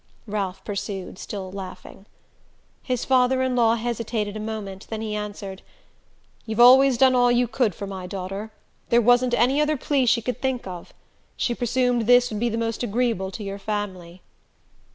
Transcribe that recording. Ralph pursued, still laughing. His father in law hesitated a moment; then he answered: "You've always done all you could for my daughter. There wasn't any other plea she could think of. She presumed this would be the most agreeable to your family."